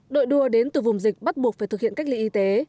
đội đua đến từ vùng dịch bắt buộc phải thực hiện cách ly y tế